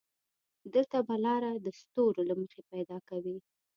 دلته به لاره د ستورو له مخې پيدا کوې.